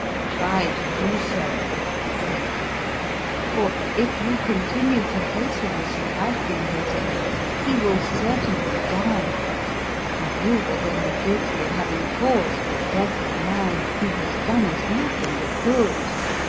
" Try to do so," said Kihei ;—" for, if you con tinue to hate him as you have been hating him, he will certainly die, and you will then be guilty of having caused the death of a man who has done us nothing but good.